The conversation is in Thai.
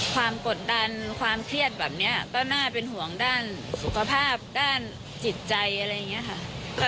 กดดันความเครียดแบบนี้ก็น่าเป็นห่วงด้านสุขภาพด้านจิตใจอะไรอย่างนี้ค่ะ